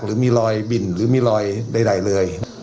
หรือมีรอยบินหรือมีรอยใดเลย